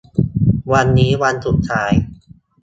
วันนี้วันสุดท้าย